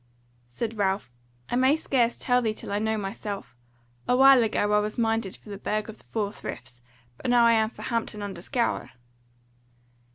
Said Ralph: "I may scarce tell thee till I know myself. Awhile ago I was minded for the Burg of the Four Friths; but now I am for Hampton under Scaur."